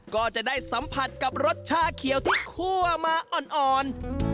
ก็จะได้สัมผัสกับรสชาเขียวที่คั่วมาอ่อน